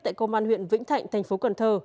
tại công an huyện vĩnh thạnh thành phố cần thơ